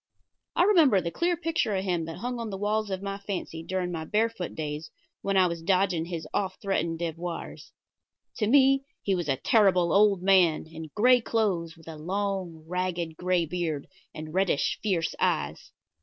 I remember the clear picture of him that hung on the walls of my fancy during my barefoot days when I was dodging his oft threatened devoirs. To me he was a terrible old man, in gray clothes, with a long, ragged, gray beard, and reddish, fierce eyes.